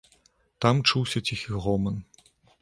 Там чуўся ціхі гоман.